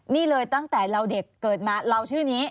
นี่เลยตั้งแต่เราเด็กเกิดมาเราชื่อนี้